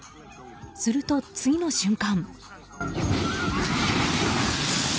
すると、次の瞬間。